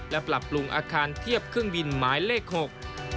และปรับปรุงอาคารเทียบเครื่องบินหมายเลขหก